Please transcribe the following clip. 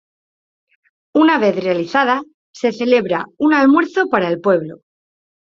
Una vez realizada, se celebraba un almuerzo para el pueblo.